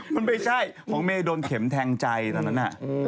มันไม่ใช่ของเมย์โดนเข็มแทงใจตอนนั้น